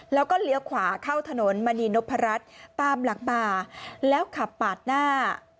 แล้วก็เหลือขวาเข้าถนนมณีนพรรดิตามหลักป่าแล้วขับปากหน้า